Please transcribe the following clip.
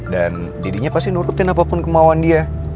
dan dedinya pasti nurutin apapun kemauan dia